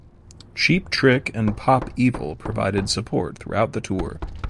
Cheap Trick and Pop Evil provided support throughout the tour.